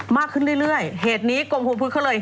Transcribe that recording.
มากขึ้นเรื่อยเหตุนี้กรมภูมิพุทธเขาเลย